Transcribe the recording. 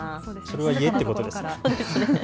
それは家ってことですね。